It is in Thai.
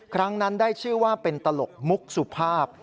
ครั้งนั้นได้ชื่อว่าเป็นตลกมุกสุภาพ